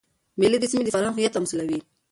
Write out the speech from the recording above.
مېلې د سیمي د فرهنګ هویت تمثیلوي.